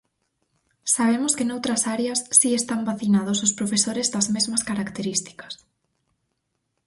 Sabemos que noutras áreas si están vacinados os profesores das mesmas características.